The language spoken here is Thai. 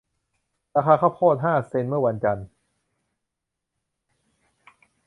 ราคาข้าวโพดห้าเซ็นต์เมื่อวันจันทร์